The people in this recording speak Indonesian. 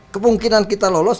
kemungkinan kita lolos